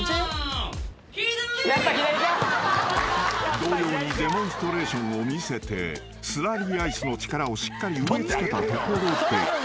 ［同様にデモンストレーションを見せてスラリーアイスの力をしっかり植え付けたところで］